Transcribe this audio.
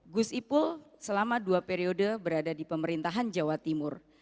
gus ipul selama dua periode berada di pemerintahan jawa timur